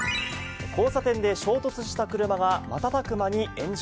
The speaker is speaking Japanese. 交差点で衝突した車が、瞬く間に炎上。